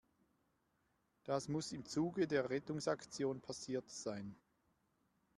Das muss im Zuge der Rettungsaktion passiert sein.